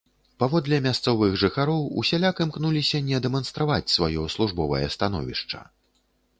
Паводле мясцовых жыхароў, усяляк імкнуўся не дэманстраваць сваё службовае становішча.